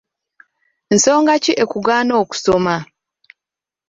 Nsonga ki ekuganye okusoma?